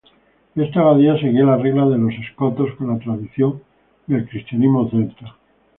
Esta abadía seguía la regla de los Escotos, en la tradición del cristianismo celta.